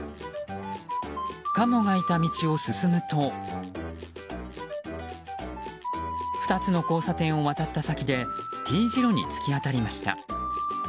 カモがいた道を進むと２つの交差点を渡った先でＴ字路に突き当たりました。